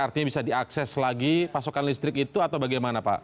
artinya bisa diakses lagi pasokan listrik itu atau bagaimana pak